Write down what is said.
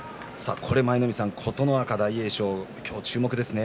舞の海さん琴ノ若、大栄翔注目ですね。